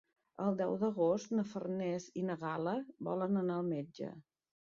El deu d'agost na Farners i na Gal·la volen anar al metge.